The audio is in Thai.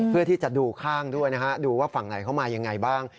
เพื่อที่จะดูข้างด้วยนะฮะดูว่าฝั่งไหนเข้ามายังไงบ้าง